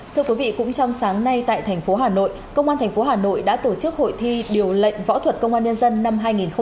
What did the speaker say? thưa quý vị cũng trong sáng nay tại thành phố hà nội công an thành phố hà nội đã tổ chức hội thi điều lệnh võ thuật công an nhân dân năm hai nghìn một mươi chín